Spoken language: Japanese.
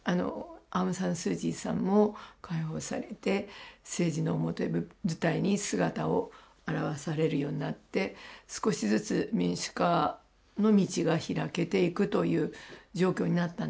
アウン・サン・スー・チーさんも解放されて政治の表舞台に姿を現されるようになって少しずつ民主化の道が開けていくという状況になったんですね。